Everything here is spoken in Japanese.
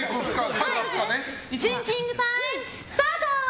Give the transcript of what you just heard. シンキングタイムスタート！